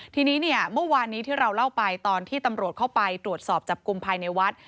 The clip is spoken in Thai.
ทีนี้เนี่ยเมื่อวานนี้ที่เราเล่าไปตอนที่ตำรวจเข้าไปตรวจสอบจับกลุ่มภายในวัด